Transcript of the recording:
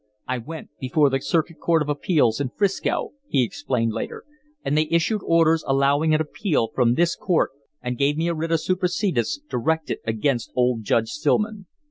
"I went before the Circuit Court of Appeals in 'Frisco," he explained later, "and they issued orders allowing an appeal from this court and gave me a writ of supersedeas directed against old Judge Stillman.